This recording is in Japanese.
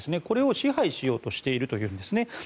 これを支配しようとしているというんですね。